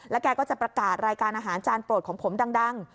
แกก็จะประกาศรายการอาหารจานโปรดของผมดัง